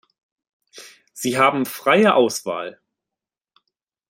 Sie haben freie Auswahl.